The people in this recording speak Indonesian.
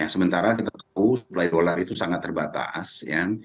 sementara kita tahu dolar itu sangat terbatas